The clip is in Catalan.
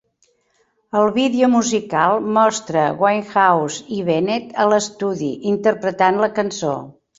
El vídeo musical mostra Winehouse i Bennett a l'estudi interpretant la cançó.